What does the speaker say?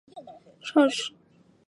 少时以辞赋贡于春官氏。